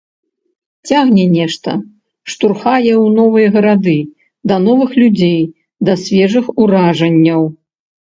Цягне нешта, штурхае ў новыя гарады, да новых людзей, да свежых уражанняў.